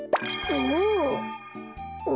おお！